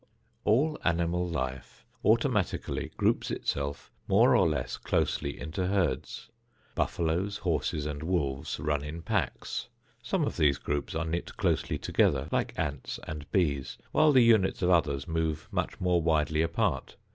All animal life automatically groups itself more or less closely into herds. Buffaloes, horses and wolves run in packs. Some of these groups are knit closely together like ants and bees, while the units of others move much more widely apart.